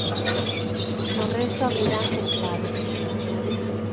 No resto abriranse claros.